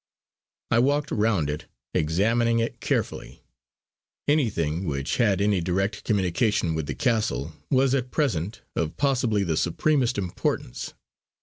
I walked round it, examining it carefully; anything which had any direct communication with the castle was at present of possibly the supremest importance.